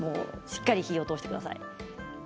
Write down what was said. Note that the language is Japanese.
しっかり火を通してください。